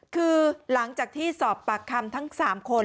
คือหลังจากที่สอบปากคำทั้ง๓คน